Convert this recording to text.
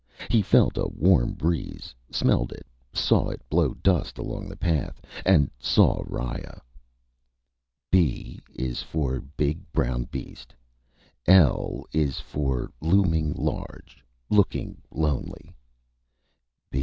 He felt a warm breeze, smelled it, saw it blow dust along the path, and saw Riya: B is for big brown beast. _L is for looming large, looking lonely.